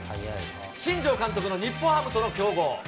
新庄監督の日本ハムとの競合。